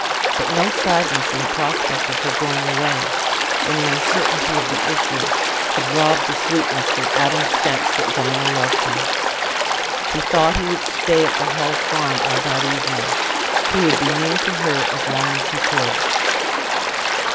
But no sadness in the prospect of her going away—in the uncertainty of the issue—could rob the sweetness from Adam's sense that Dinah loved him. He thought he would stay at the Hall Farm all that evening. He would be near her as long as he could.